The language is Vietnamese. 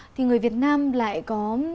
thì người việt nam lại có